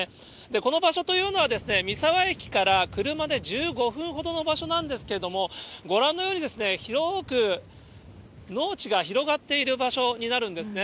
この場所というのは、三沢駅から車で１５分ほどの場所なんですけれども、ご覧のように、広く農地が広がっている場所になるんですね。